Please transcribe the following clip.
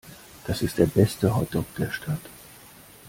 Das ist der beste Hotdog der Stadt.